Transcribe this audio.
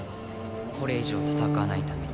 これ以上戦わないために。